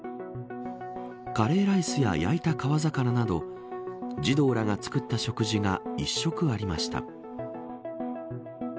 カレーライスや焼いた川魚など児童らが作った食事が１食ありました。